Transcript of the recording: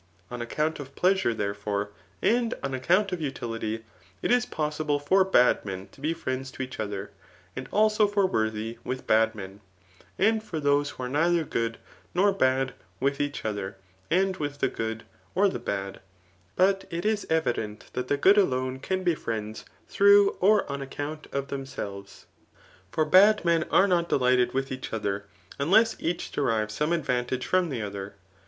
On account of pleasure, therefore, and on account of utility, it is possible for bad men to be friends to each other, and also for worthy with bad men^ and for those who are neither good nor bad with each other, and with the good or the bad } but it is evident that the good alone can be friends through or on account of themselves. For bad men are not delighted with each other, unless each derives some advantage from the other.